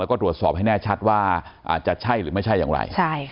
แล้วก็ตรวจสอบให้แน่ชัดว่าอาจจะใช่หรือไม่ใช่อย่างไร